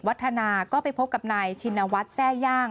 พัฒนาก็ไปพบกับนายชินวัฒน์แทร่ย่าง